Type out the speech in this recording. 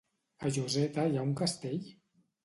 A Lloseta hi ha un castell?